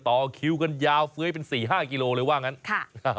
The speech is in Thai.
ต่อคิวกันยาวเฟื้อยเป็น๔๕กิโลกรัม